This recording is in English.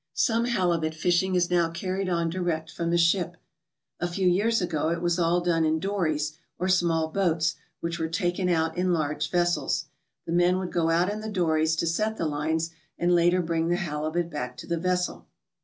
Some halibut fishing is now carried on direct from the ship. A few years ago it was all done in dories or small boats, which were taken out in large vessels. The men would go out in the dories to set the lines and later bring the halibut back to the vessel.